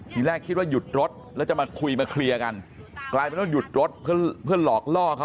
ทีแรกคิดว่าหยุดรถแล้วจะมาคุยมาเคลียร์กันกลายเป็นต้องหยุดรถเพื่อหลอกล่อเขา